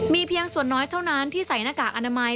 มีเพียงส่วนน้อยเท่านั้นที่ใส่หน้ากากอนามัย